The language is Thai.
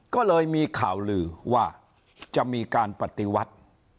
ก็เลยมีข่าวลือว่าจะมีการปฏิวัติ